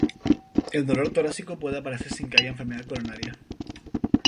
El dolor torácico puede aparecer sin que haya enfermedad coronaria.